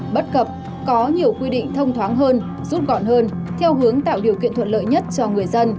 bất cập có nhiều quy định thông thoáng hơn rút gọn hơn theo hướng tạo điều kiện thuận lợi nhất cho người dân